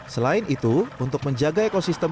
selain itu untuk menjaga ekosistem